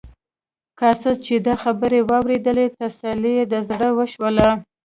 قاصد چې دا خبرې واورېدلې تسلي یې د زړه وشوله.